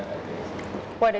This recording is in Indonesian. bagaimana anda menemukan orang ini